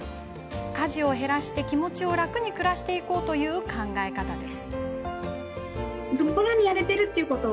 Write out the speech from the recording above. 家事を減らして、気持ちを楽に暮らしていこうという考え方です。